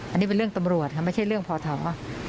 อันนี้เป็นเรื่องตำรวจไม่ใช่เรื่องพอทำ